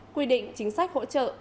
quy định chính sách hỗ trợ